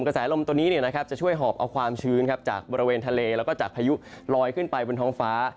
กระแสลมตัวนี้จะช่วยหอบเอาความชื้นจากบริเวณทะเลแล้วก็จากพายุลอยขึ้นไปบนท้องฟ้า